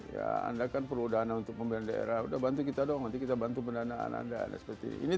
ya anda kan perlu dana untuk pembelian daerah udah bantu kita dong nanti kita bantu pendanaan anda ada seperti ini